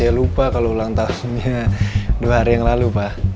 saya lupa kalau ulang tahunnya dua hari yang lalu pak